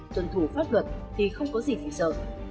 tuần thủ pháp luật thì không có gì phải sợ